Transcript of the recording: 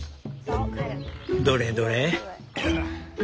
「どれどれ？」。